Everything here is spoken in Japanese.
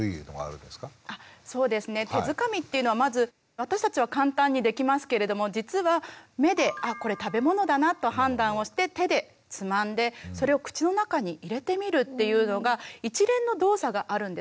そうですね手づかみっていうのはまず私たちは簡単にできますけれども実は目で「あこれ食べ物だな」と判断をして手でつまんでそれを口の中に入れてみるっていうのが一連の動作があるんですね。